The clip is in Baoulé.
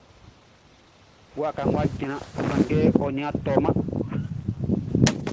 Wakaʼn wʼa jran, sanngɛ ɔ nin a tɔman.